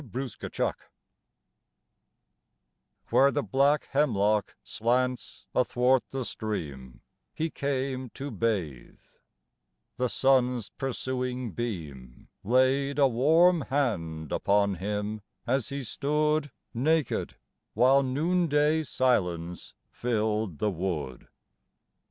NARCISSUS Where the black hemlock slants athwart the stream He came to bathe; the sun's pursuing beam Laid a warm hand upon him, as he stood Naked, while noonday silence filled the wood.